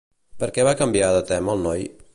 Per què va canviar de tema el noi?